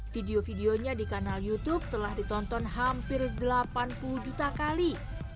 video videonya di kanal youtube telah ditonton hampir delapan puluh juta kali